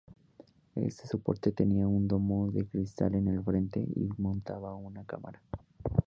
Este soporte tenía un domo de cristal en el frente y montaba una cámara.